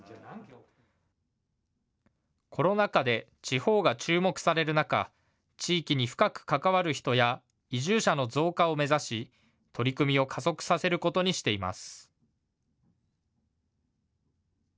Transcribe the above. コロナ禍で地方が注目される中、地域に深く関わる人や移住者の増加を目指し、取り組みを加速させることにしています。